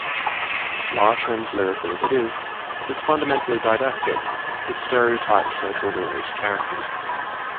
Lush and lyrical as it is, it's fundamentally didactic, with stereotyped social-realist characters.